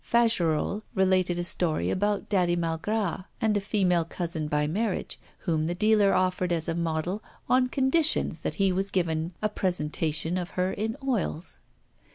Fagerolles related a story about Daddy Malgras and a female cousin by marriage, whom the dealer offered as a model on conditions that he was given a presentment of her in oils.